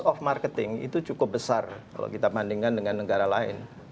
off marketing itu cukup besar kalau kita bandingkan dengan negara lain